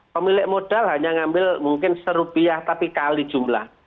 pemilik modal hanya ngambil mungkin serupiah tapi kali jumlah